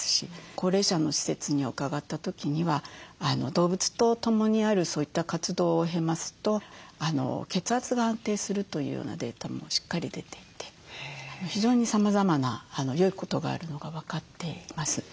高齢者の施設に伺った時には動物と共にあるそういった活動を経ますと血圧が安定するというようなデータもしっかり出ていて非常にさまざまなよいことがあるのが分かっています。